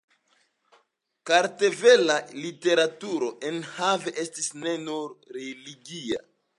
Kartvela literaturo enhave estis ne nur religia.